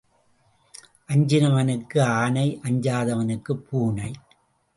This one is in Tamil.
அஞ்சினவனுக்கு ஆனை அஞ்சாதவனுக்குப் பூனை.